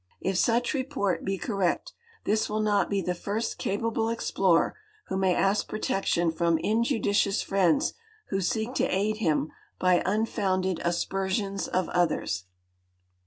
If such reiiort be correct, this will not be the first cai)able exjdorer who may ask protection from injudicious friends who seek to aid him by unfounded aspersions of others.